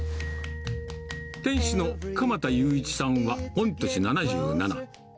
店主の鎌田雄市さんは御歳７７。